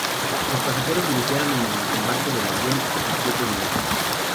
Los pasajeros iniciaron el desembarco del avión en siete minutos.